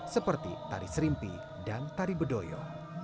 seperti tari serimpi dan tari bedoyo